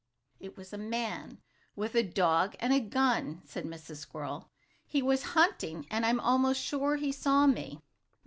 "It was a man, with a dog and a gun," said Mrs. Squirrel. "He was out hunting, and I'm almost sure he saw me!"